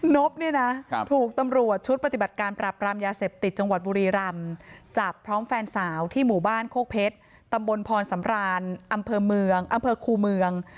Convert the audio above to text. นบเนี่ยนะถูกตำรวจชุดปฏิบัติการปรับรามยาเสพติดจังหวัดบุรีรำจับพร้อมแฟนสาวที่หมู่บ้านโคกเพชรตำบลพรสำรานอำเภอเมืองอำเภอคูเมือง